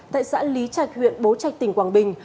tại xã lý trạch huyện bố trạch tỉnh quảng bình